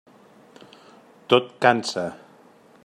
Tot cansa.